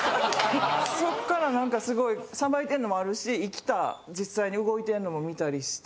そっから何かすごいさばいてんのもあるし生きた実際に動いてんのも見たりして。